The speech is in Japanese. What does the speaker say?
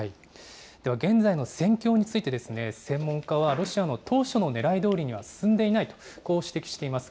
では、現在の戦況について、専門家は、ロシアの当初のねらいどおりには進んでいないと、こう指摘しています。